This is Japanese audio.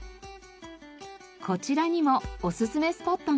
こちらにもおすすめスポットが！